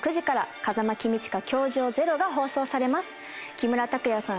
木村拓哉さん